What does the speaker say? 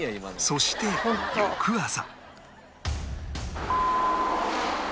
そして翌朝